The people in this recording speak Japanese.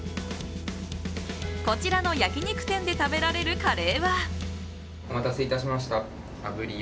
こちらの焼き肉店で食べられるカレーは。